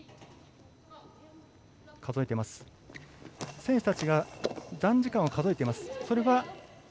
選手たちが残時間を数えています。